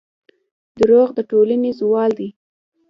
دروغ د ټولنې زوال دی.